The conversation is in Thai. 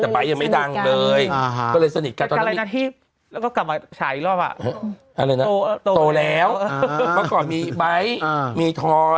แต่ไบได้ไม่ดังเลยอ่าฮะก็เลยสนิทกันแต่ก็เรียนพิธี